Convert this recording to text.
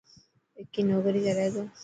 وڪي نوڪري ڪري ٿو.